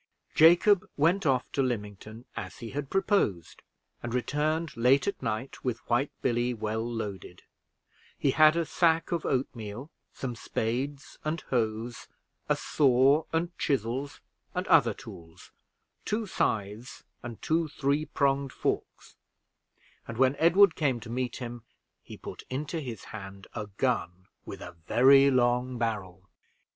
Jacob went off to Lymington as he had proposed, and returned late at night with White Billy well loaded; he had a sack of oatmeal, some spades and hoes, a saw and chisels, and other tools; two scythes and two three pronged forks; and when Edward came to meet him, he put into his hand a gun with a very long barrel.